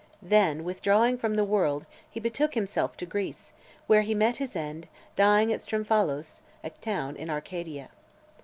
Then, withdrawing from the world, he betook himself to Greece, where he met his end, dying at Strymphalos, a town in Arcadia.